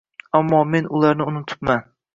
Ammo men ularni unutibman